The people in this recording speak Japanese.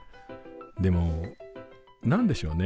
でも何でしょうね。